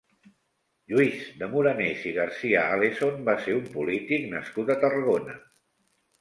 Lluís de Morenés i García-Alesson va ser un polític nascut a Tarragona.